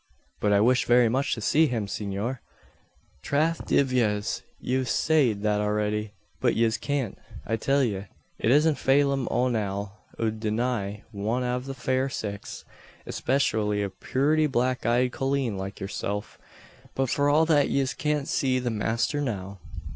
"But I wish very much to see him, senor." "Trath div yez. Ye've sayed that alriddy. But yez cyant, I till ye. It isn't Phaylim Onale ud deny wan av the fair six espacially a purty black eyed colleen loike yerself. But for all that yez cyant see the masther now."